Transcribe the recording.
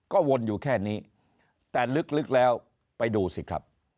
ก็วนอยู่แค่นี้แต่ลึกแล้วไปดูสิครับ